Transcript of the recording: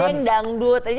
ada anjing dangdut